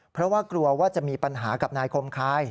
เพราะว่ากลัวว่าจะมีปัญหากับนายคมคาย